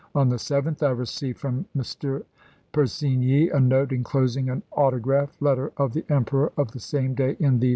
On the 7th I received from Mr. Persigny a note inclosing an autograph MS Con, letter of the Emperor, of the same day, in these i?